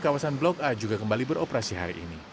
kawasan blok a juga kembali beroperasi hari ini